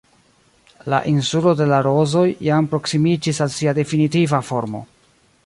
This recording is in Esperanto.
La Insulo de la Rozoj jam proksimiĝis al sia definitiva formo.